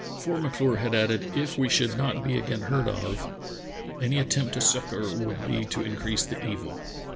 For M'Clure had added: "If we should not be again heard of ... any attempt to succor would be to increase the evil.